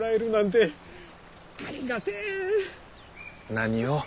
何を。